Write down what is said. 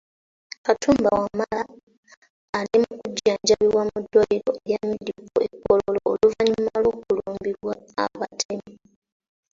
Katumba Wamala, ali mu kujjanjjabwa mu ddwaliro lya Medipal e Kololo oluvannyuma lw’okulumbibwa abatemu.